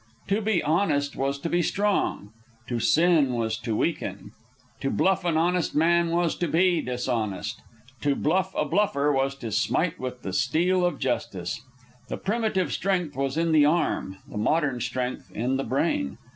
To be honest was to be strong. To sin was to weaken. To bluff an honest man was to be dishonest. To bluff a bluffer was to smite with the steel of justice. The primitive strength was in the arm; the modern strength in the brain.